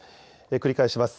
繰り返します。